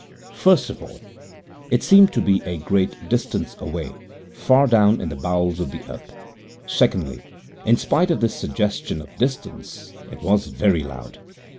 First of all, it seemed to be a great distance away, far down in the bowels of the earth. Secondly, in spite of this suggestion of distance, it was very loud.